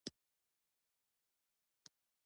نه یې لویانو ته سر ټيټ و.